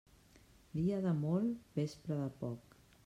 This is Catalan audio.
Dia de molt, vespra de poc.